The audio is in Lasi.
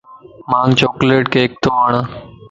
مانک چوڪليٽ ڪيڪ تو وڻ